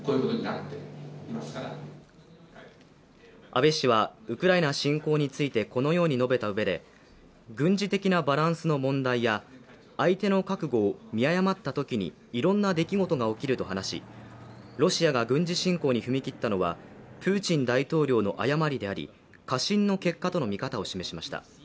安倍氏はウクライナ侵攻についてこのように述べたうえで、軍事的なバランスの問題や相手の覚悟を見誤ったときにいろんな出来事が起きると話しロシアが軍事侵攻に踏み切ったのはプーチン大統領の誤りであり過信した結果との見方を示しました。